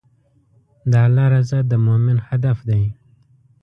د الله رضا د مؤمن هدف دی.